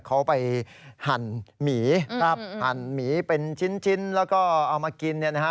เขาไปหั่นหมีครับหั่นหมีเป็นชิ้นแล้วก็เอามากินเนี่ยนะฮะ